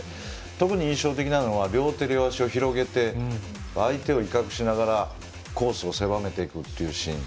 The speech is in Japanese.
特に印象的なのは両手両足を広げて相手を威嚇しながらコースを狭めていくシーン。